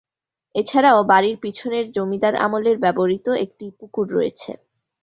এছাড়াও বাড়ির পিছনের জমিদার আমলের ব্যবহৃত একটি পুকুর রয়েছে।